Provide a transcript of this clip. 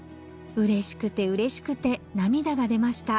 「うれしくてうれしくてなみだがでました」